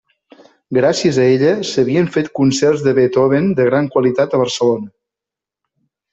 Gràcies a ella, s'havien fet concerts de Beethoven de gran qualitat a Barcelona.